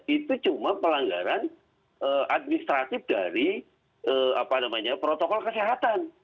itu cuma pelanggaran administratif dari protokol kesehatan